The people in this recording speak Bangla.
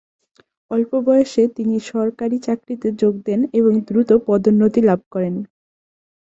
অল্প বয়সে তিনি সরকারি চাকরিতে যোগ দেন এবং দ্রুত পদোন্নতি লাভ করে।